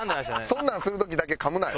そんなんする時だけかむなよ。